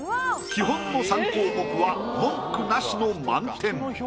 基本の３項目は文句なしの満点。